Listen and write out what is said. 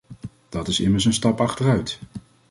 Dat is immers een stap achteruit.